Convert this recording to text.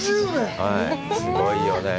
すごいよね。